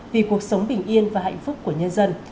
vì cuộc sống bình yên và hạnh phúc của nhân dân